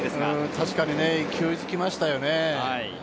確かに勢いづきましたよね。